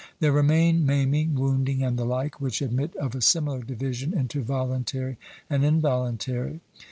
There remain maiming, wounding, and the like, which admit of a similar division into voluntary and involuntary.